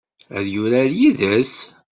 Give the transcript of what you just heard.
Ad yurar yid-s?